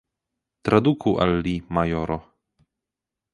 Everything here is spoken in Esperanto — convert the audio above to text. Traduku al li, majoro!